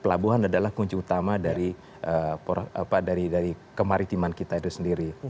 kalau kita berbicara sebagai negara maritim pelabuhan adalah kunci utama dari kemaritiman kita itu sendiri